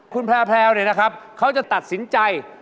คุณแพลวเนี่ยนะครับเขาจะตัดสินใจ